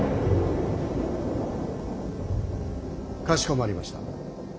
かしこまりました。